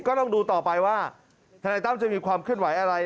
ก็ต้องดูต่อไปว่าธนายตั้มจะมีความเคลื่อนไหวอะไร